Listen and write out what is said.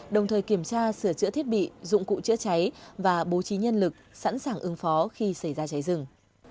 đồng thời kiểm tra sửa chữa thiết bị dụng cụ chữa cháy và bố trí nhân lực sẵn sàng ứng phó khi xảy ra cháy rừng